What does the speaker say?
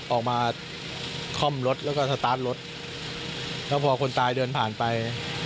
ออกมาคล่อมรถแล้วก็สตาร์ทรถแล้วพอคนตายเดินผ่านไป